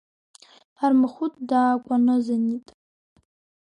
Армахәыҭ даакәанызанит.